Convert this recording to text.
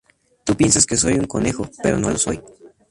Tú piensas que soy un conejo pero no lo soy.